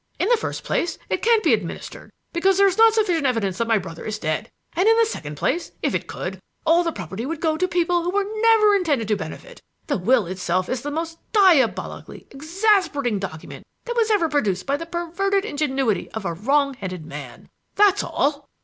In the first place it can't be administered because there is not sufficient evidence that my brother is dead; and in the second place, if it could, all the property would go to people who were never intended to benefit. The will itself is the most diabolically exasperating document that was ever produced by the perverted ingenuity of a wrongheaded man. That's all.